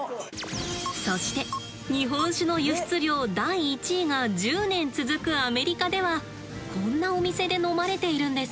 そして日本酒の輸出量第一位が１０年続くアメリカではこんなお店で飲まれているんです。